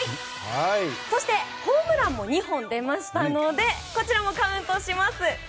そして、ホームランも２本出ましたのでこちらもカウントします。